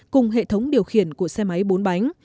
cùng hệ thống điều khiển của xe máy bốn bánh